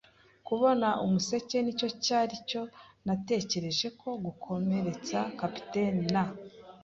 kubona umuseke. Nicyo cyari cyo, natekereje ko, gukomeretsa capitaine; na